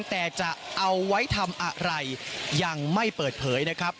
แต่จะเอาไว้ทำอะไรยังไม่เปิดเผยนะครับ